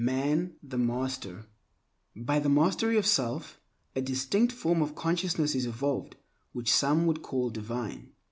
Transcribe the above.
Man the Master BY THE MASTERY OF SELF, a distinct form of consciousness is evolved which some would call divine.